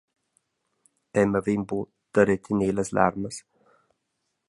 Emma vegn buca da retener las larmas.